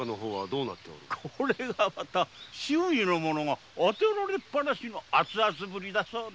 これがまた周囲の者が当てられっぱなしのアツアツぶりだそうで。